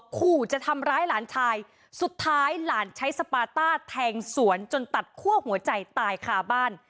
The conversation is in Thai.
ขู่จะทำร้ายหลานชายสุดท้ายหลานใช้สปาต้าแทงสวนจนตัดคั่วหัวใจตายคาบ้าน